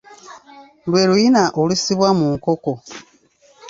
Lwe luyina olusibwa mu nkoko.